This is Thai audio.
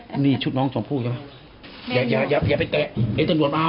อันนี้ชุดน้องชมภูร์ใช่ป่ะ